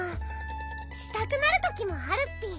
したくなるときもあるッピ。